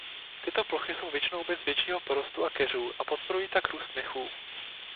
Tyto plochy jsou většinou bez většího porostu a keřů a podporují tak růst mechů.